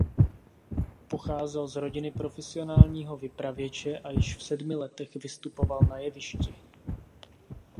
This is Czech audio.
Pocházel z rodiny profesionálního vypravěče a již v sedmi letech vystupoval na jevišti.